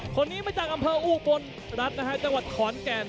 คนนี้มาจากอำเภออุบลรัฐนะฮะจังหวัดขอนแก่น